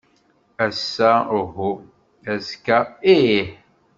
Ass-a uhu, azekka, ih.